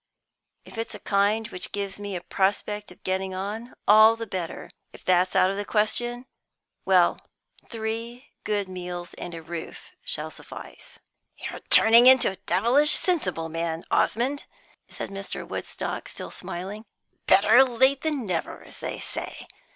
If it's of a kind which gives a prospect of getting on, all the better; if that's out of the question, well, three good meals and a roof shall suffice." "You're turning out a devilish sensible lad, Osmond," said Mr. Woodstock, still smiling. "Better late than never, as they say.